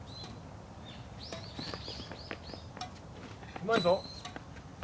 うまいぞ。